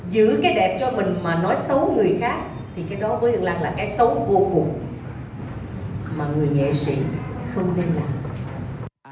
giữ cái đẹp cho mình mà nói xấu người khác thì cái đó với hương lan là cái xấu vô cùng